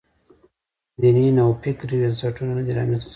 دیني نوفکرۍ بنسټونه نه دي رامنځته شوي.